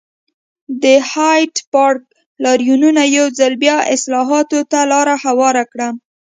د هایډپارک لاریونونو یو ځل بیا اصلاحاتو ته لار هواره کړه.